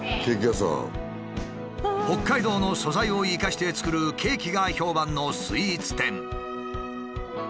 北海道の素材を生かして作るケーキが評判のスイーツ店。